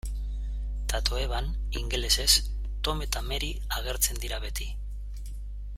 Tatoeban, ingelesez, Tom eta Mary agertzen dira beti.